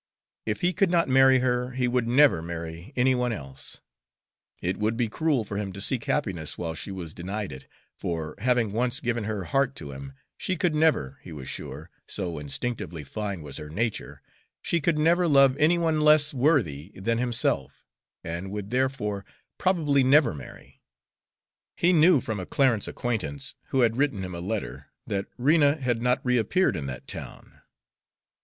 If he could not marry her, he would never marry any one else; it would be cruel for him to seek happiness while she was denied it, for, having once given her heart to him, she could never, he was sure, so instinctively fine was her nature, she could never love any one less worthy than himself, and would therefore probably never marry. He knew from a Clarence acquaintance, who had written him a letter, that Rena had not reappeared in that town.